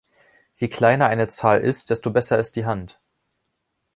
Je kleiner eine Zahl ist, desto besser ist die Hand.